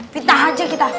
pintah aja kita